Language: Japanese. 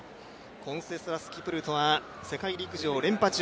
コンセスラス・キプルトは世界陸上連覇中。